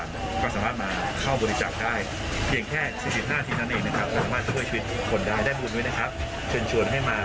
นี่นะครับไม่ใช่เลยนิดเดียว